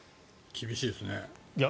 厳しいですね。